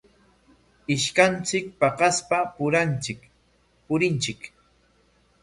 Ishkanchik paqaspa purinchik.